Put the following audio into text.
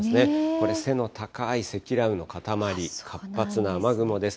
これ背の高い積乱雲の固まり、活発な雨雲です。